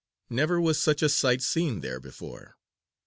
Never was such a sight seen there before.